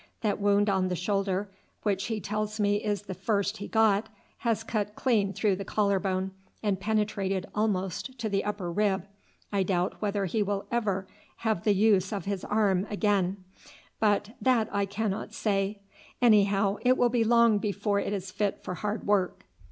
That wound on the shoulder, which he tells me is the first he got, has cut clean through the collar bone and penetrated almost to the upper rib. I doubt whether he will ever have the use of his arm again; but that I cannot say. Anyhow, it will be long before it is fit for hard work.